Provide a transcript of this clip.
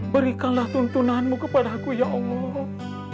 berikanlah tuntunanmu kepadaku ya allah